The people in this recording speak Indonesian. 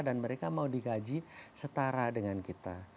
dan mereka mau digaji setara dengan kita